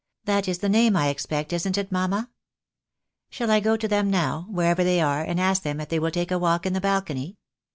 — that is the name, I expect, isn't it, mamma ? Shall I go to them now, wherever they are, and ask them if they will take a walk in the balcony